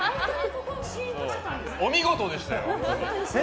お見事でしたよ。